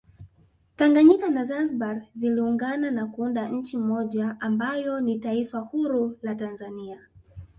Tanganyika na zanzibar ziliungana na kuunda nchi moja ambayo ni taifa huru la Tanzania